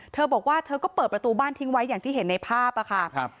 เธอบอกว่าเธอก็เปิดประตูบ้านทิ้งไว้อย่างที่เห็นในภาพค่ะ